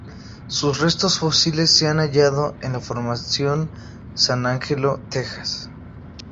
Sus restos fósiles se han hallado en la Formación San Angelo, Texas.